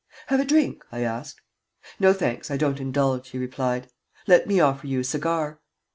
"Have a drink?" I asked. "No, thanks; I don't indulge," he replied. "Let me offer you a cigar."